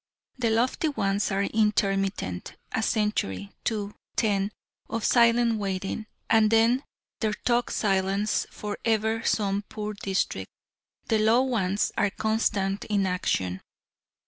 The lofty ones are intermittent a century, two, ten, of silent waiting, and then their talk silenced for ever some poor district; the low ones are constant in action.